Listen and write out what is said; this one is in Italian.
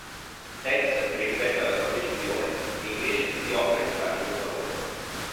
Tex rispetta la sua decisione e invece si offre di fargli un favore.